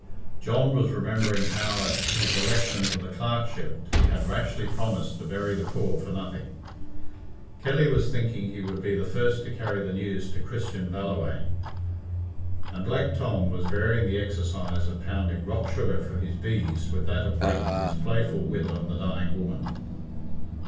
John was remembering how at his election to the clerkship he had rashly promised to bury the poor for nothing; Kelly was thinking he would be the first to carry the news to Christian Balla whaine; and Black Tom was varying the exercise of pounding rock sugar for his bees with that of breaking his playful wit on the dying woman.